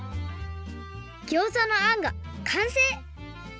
ギョーザのあんがかんせい！